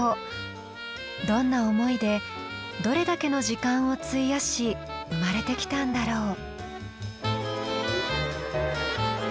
どんな思いでどれだけの時間を費やし生まれてきたんだろう。